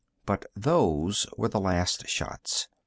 But those were the last shots.